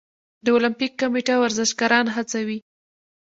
د المپیک کمیټه ورزشکاران هڅوي؟